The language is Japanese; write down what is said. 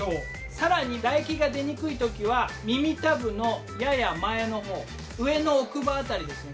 更に唾液が出にくい時は耳たぶのやや前の方上の奥歯辺りですね。